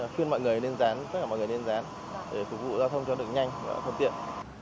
khiến mọi người lên dán tất cả mọi người lên dán để phục vụ giao thông cho được nhanh và thượng tiện